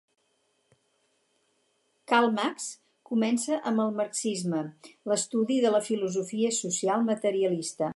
Karl Marx comença, amb el marxisme, l'estudi de la filosofia social materialista.